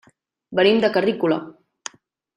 Venim de Carrícola.